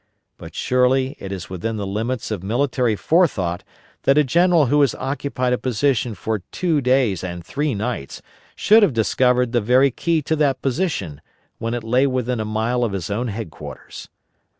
But surely it is within the limits of military forethought that a general who has occupied a position for two days and three nights should have discovered the very key to that position, when it lay within a mile of his own headquarters.